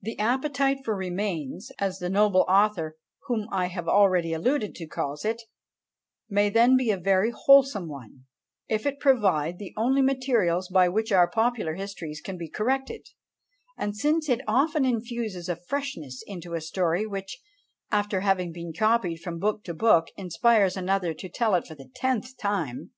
"The appetite for Remains," as the noble author whom I have already alluded to calls it, may then be a very wholesome one, if it provide the only materials by which our popular histories can be corrected, and since it often infuses a freshness into a story which, after having been copied from book to book, inspires another to tell it for the tenth time!